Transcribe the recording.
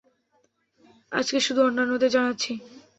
আজকে শুধু অন্যান্যদের জানাচ্ছি।